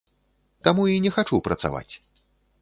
Таму і не хачу працаваць.